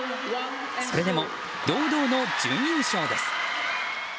それでも堂々の準優勝です。